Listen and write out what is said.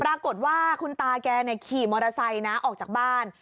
ปรากฏว่าคุณตาแกขี่มอเตอร์ไซค์นะออกจากบ้าน